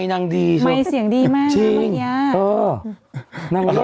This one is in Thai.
มันเชี่ยงดีมาก